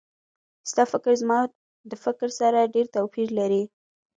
ستا فکر زما د فکر سره ډېر توپیر لري